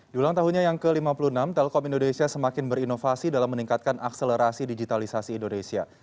di ulang tahunnya yang ke lima puluh enam telkom indonesia semakin berinovasi dalam meningkatkan akselerasi digitalisasi indonesia